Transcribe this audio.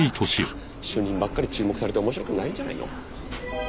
主任ばっかり注目されて面白くないんじゃないの？